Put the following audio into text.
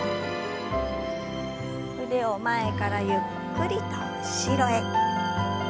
腕を前からゆっくりと後ろへ。